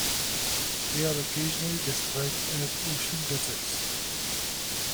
They are occasionally described as "ocean deserts".